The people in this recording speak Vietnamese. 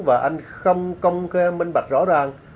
và anh không công cái minh bạch rõ ràng